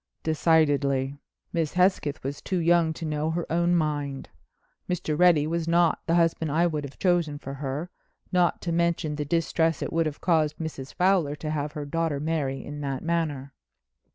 "Decidedly. Miss Hesketh was too young to know her own mind. Mr. Reddy was not the husband I would have chosen for her—not to mention the distress it would have caused Mrs. Fowler to have her daughter marry in that manner.